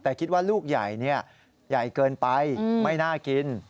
แต่คิดว่าลูกใหญ่ใหญ่เกินไปไม่น่ากิน